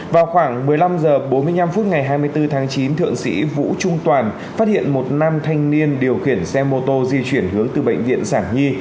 vào khoảng một mươi năm h bốn mươi năm phút ngày hai mươi bốn tháng chín thượng sĩ vũ trung toàn phát hiện một nam thanh niên điều khiển xe mô tô di chuyển hướng từ bệnh viện sản nhi